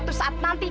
tuh pak lihat